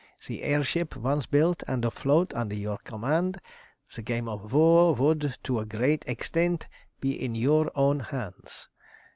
The air ship once built and afloat under your command, the game of war would to a great extent be in your own hands.